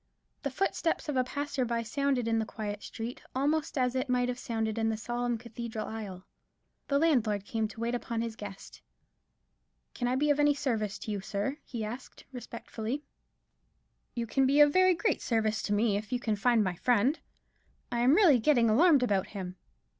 The footstep of a passer by sounded in the quiet street almost as it might have sounded in the solemn cathedral aisle. The landlord came to wait upon his guest. "Can I be of any service to you, sir?" he asked, respectfully. "You can be of very great service to me, if you can find my friend; I am really getting alarmed about him."